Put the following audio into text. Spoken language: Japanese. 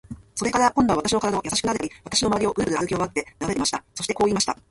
それから、今度は私の身体をやさしくなでたり、私のまわりをぐるぐる歩きまわって眺めていました。そしてこう言いました。